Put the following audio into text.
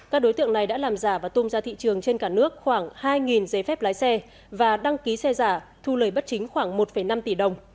các đối tượng này đã làm giả và tung ra thị trường trên cả nước khoảng hai giấy phép lái xe và đăng ký xe giả thu lời bất chính khoảng một năm tỷ đồng